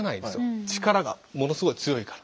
力がものすごい強いから。